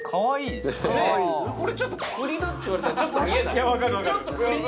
これちょっと栗だって言われたらちょっと見えない？